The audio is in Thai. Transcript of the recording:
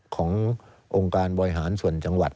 ขององค์การบริหารส่วนจังหวัด